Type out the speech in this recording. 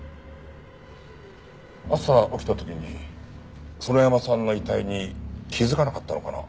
朝起きた時に園山さんの遺体に気づかなかったのかな？